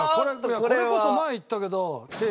これこそ前言ったけど。